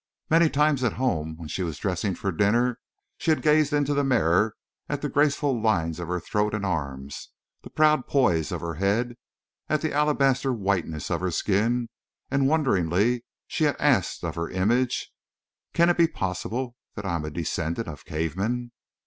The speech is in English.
Many times at home, when she was dressing for dinner, she had gazed into the mirror at the graceful lines of her throat and arms, at the proud poise of her head, at the alabaster whiteness of her skin, and wonderingly she had asked of her image: "Can it be possible that I am a descendant of cavemen?"